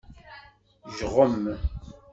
Jɣem.